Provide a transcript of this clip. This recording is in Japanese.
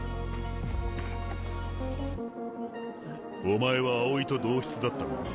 お前は青井と同室だったな。